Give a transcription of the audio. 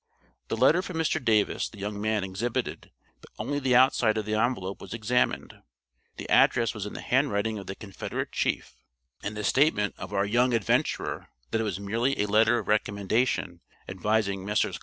The letter from Mr. Davis the young man exhibited, but only the outside of the envelope was examined. The address was in the handwriting of the Confederate chief, and the statement of our young adventurer that it was merely a letter of recommendation advising Messrs.